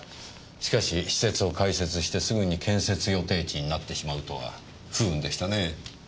しかし施設を開設してすぐに建設予定地になってしまうとは不運でしたねぇ。